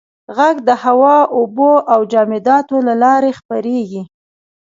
• ږغ د هوا، اوبو او جامداتو له لارې خپرېږي.